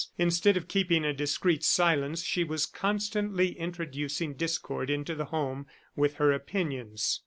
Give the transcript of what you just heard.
Instead of keeping a discreet silence, she was constantly introducing discord into the home with her opinions.